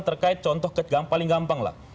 terkait contoh paling gampang lah